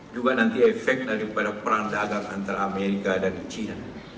juga nanti efek daripada perang dagang antara amerika dan china